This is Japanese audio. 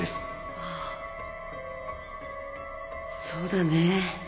そうだね。